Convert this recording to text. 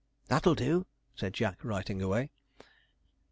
'That'll do,' said Jack, writing away.